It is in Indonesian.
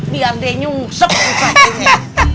biar deh nyunsek usahanya